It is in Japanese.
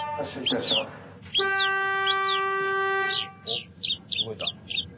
おっ動いた。